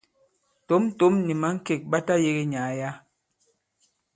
Tǒm-tǒm nì̀ mǎŋkèk ɓa tayēge nyàà yǎ.